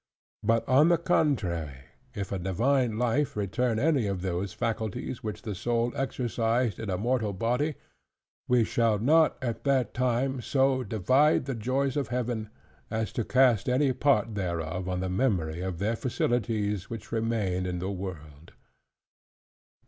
But on the contrary, if a divine life retain any of those faculties which the soul exercised in a mortal body, we shall not at that time so divide the joys of Heaven, as to cast any part thereof on the memory of their felicities which remain in the world.